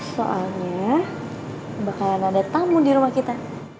soalnya bakalan ada tamu di rumah kita